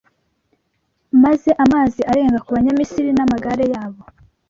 maze amazi arenga ku Banyamisiri n’amagare yabo